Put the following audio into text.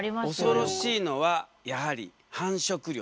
恐ろしいのはやはり繁殖力。